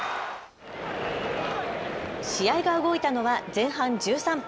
試合が動いたのは前半１３分。